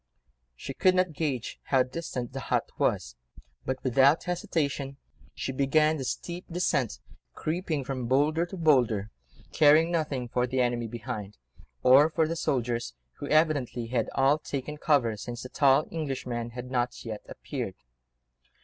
She could not gauge how distant the hut was, but without hesitation she began the steep descent, creeping from boulder to boulder, caring nothing for the enemy behind, or for the soldiers, who evidently had all taken cover since the tall Englishman had not yet appeared.